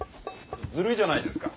ずるいじゃないですか。